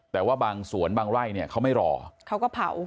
แต่ว่าบางสวนบางไร่เนี่ยเขาไม่รอเขาก็เผา